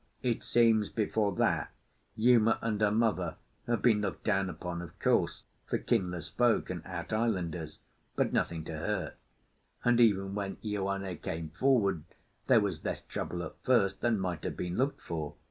It seems, before that, Uma and her mother had been looked down upon, of course, for kinless folk and out islanders, but nothing to hurt; and, even when Ioane came forward, there was less trouble at first than might have been looked for.